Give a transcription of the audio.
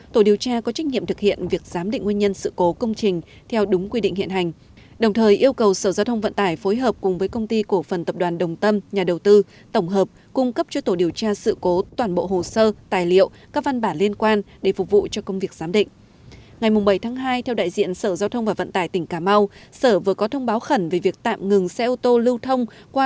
tổ chức giám định nguyên nhân do tình trạng khô hạn kéo dài làm mực nước trong kênh sáng minh hà